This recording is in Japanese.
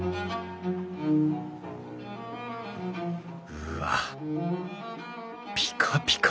うわっピカピカだ。